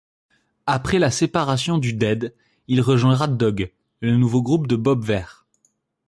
Après la séparation du Dead, il rejoint Ratdog, le nouveau groupe de Bob Weir.